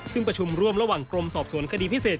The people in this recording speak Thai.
ซึ่งประชุมร่วมระหว่างกรมสอบสวนคดีพิเศษ